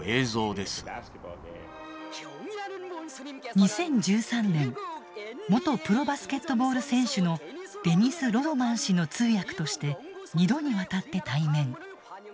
２０１３年元プロバスケットボール選手のデニス・ロドマン氏の通訳として２度にわたって対面。